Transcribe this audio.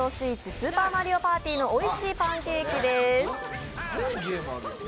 「スーパーマリオパーティ」の「おいしいパンケーキ」です。